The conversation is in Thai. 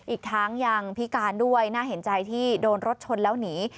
อีกทั้งยังพิการด้วยน่าเห็นใจที่โดนรถชนแล้วหนี